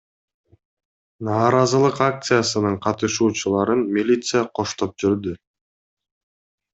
Нааразылык акциясынын катышуучуларын милиция коштоп жүрдү.